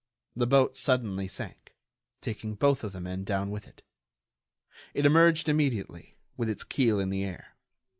The boat suddenly sank, taking both of the men down with it. It emerged immediately, with its keel in the air.